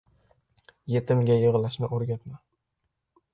• Yetimga yig‘lashni o‘rgatma.